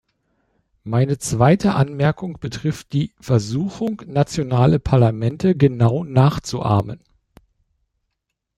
Meine zweite Anmerkung betrifft die Versuchung, nationale Parlamente genau nachzuahmen.